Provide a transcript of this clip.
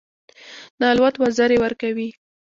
د الوت وزرې ورکوي.